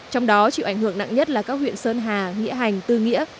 trong đó chịu ảnh hưởng nặng nhất là các huyện sơn hà nghĩa hành tư nghĩa